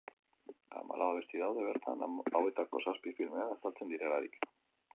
Hamalau abesti daude bertan, hauetako zazpi filmean azaltzen direlarik.